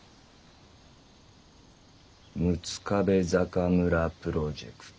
「六壁坂村プロジェクト。